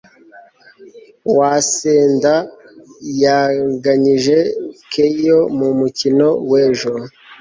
waseda yanganyije keio mu mukino w'ejo